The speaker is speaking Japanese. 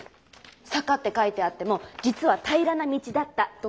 「坂」って書いてあっても実は「平らな道」だったとかもあったりして。